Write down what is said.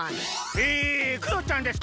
えクヨちゃんです。